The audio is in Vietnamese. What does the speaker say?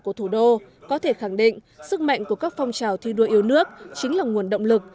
của thủ đô có thể khẳng định sức mạnh của các phong trào thi đua yêu nước chính là nguồn động lực